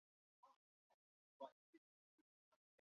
曾出任山西大学校长。